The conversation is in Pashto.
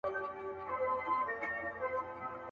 دغو تورمخو له تیارو سره خپلوي کړې ده.